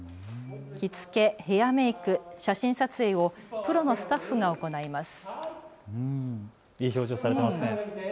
着付け、ヘアメーク、写真撮影をプロのスタッフが行います。